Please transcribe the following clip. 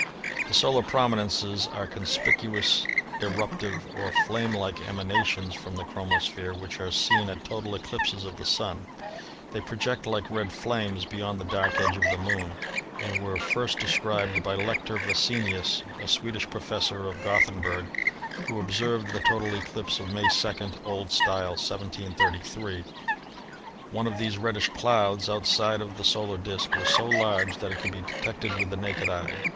The solar prominences are conspicuous eruptive or flame like emanations from the chromosphere which are seen at total eclipses of the Sun. They project like red flames beyond the dark edge of the Moon, and were first de scribed by Lector Vassenius, a Swedish professor of Gothenburg, who observed the total eclipse of May 2 (O.S.), 1733. One of these reddish clouds outside of the solar disk was so large that it could be detected with the naked eye.